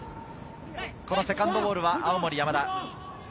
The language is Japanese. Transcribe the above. セカンドボールは青森山田。